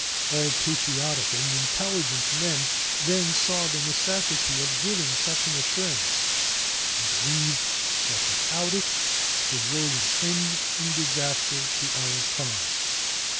All patriotic and intelligent men then saw the necessity of giving such an assurance, and believed that without it the war would end in disaster to our cause.